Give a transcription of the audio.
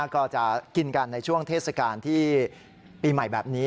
ก็จะกินกันในช่วงเทศกาลที่ปีใหม่แบบนี้